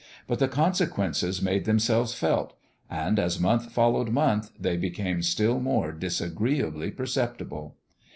But the consequences made themselves felt; and as month followed month, they became still more disagreeably perceptible.